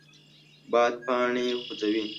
باد پاڼې خوځوي